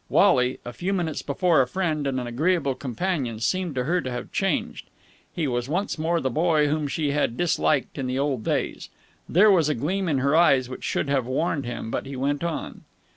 Wally, a few minutes before a friend and an agreeable companion, seemed to her to have changed. He was once more the boy whom she had disliked in the old days. There was a gleam in her eyes which should have warned him, but he went on.